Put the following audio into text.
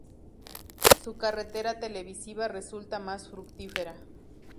Su carrera televisiva resulta más fructífera.